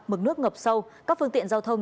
mực nước ngập sâu các phương tiện giao thông